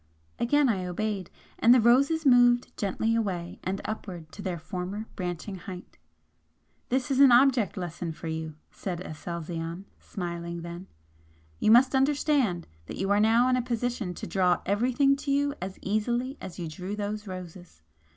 Again I obeyed, and the roses moved gently away and upward to their former branching height. "This is an object lesson for you," said Aselzion, smiling then "You must understand that you are now in a position to draw everything to you as easily as you drew those roses!